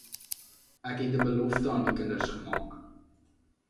Ek het 'n belofte aan die kinders gemaak.